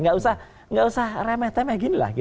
gak usah remeh temeh gini lah